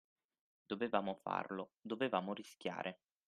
Dovevamo farlo, dovevamo rischiare.